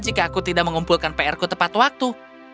jika aku tidak mengumpulkan pr ku tepat waktu